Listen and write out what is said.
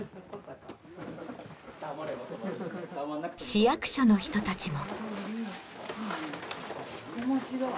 市役所の人たちも。